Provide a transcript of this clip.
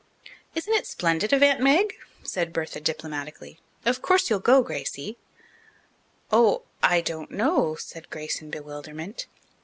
"Isn't it splendid of Aunt Meg?" said Bertha diplomatically. "Of course you'll go, Gracie." "Oh, I don't know," said Grace in bewilderment.